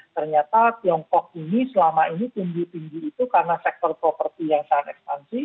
ternyata tiongkok ini selama ini tinggi tinggi itu karena sektor properti yang sangat ekspansif